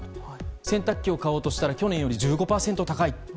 洗濯機を買おうとしたら去年より１５％高い。